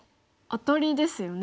アタリですよね